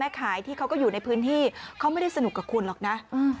ขายที่เขาก็อยู่ในพื้นที่เขาไม่ได้สนุกกับคุณหรอกนะ